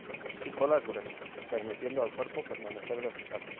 Su cola es gruesa, permitiendo al cuerpo permanecer vertical.